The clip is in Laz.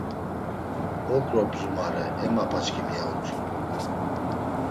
Okro bzumare e Mapa çkimi ya utsu.